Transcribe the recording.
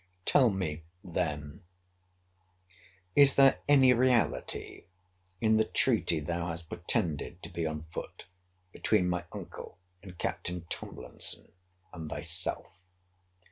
Tell me, then, is there any reality in the treaty thou has pretended to be on foot between my uncle and Capt. Tomlinson, and thyself?